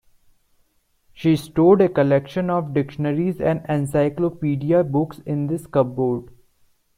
She stored a collection of dictionaries and encyclopedia books in this cupboard.